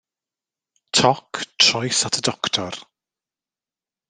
Toc, troes at y doctor.